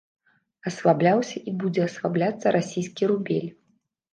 Аслабляўся і будзе аслабляцца расійскі рубель.